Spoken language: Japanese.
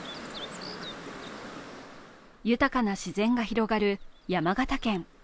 豊かな自然が広がる山形県。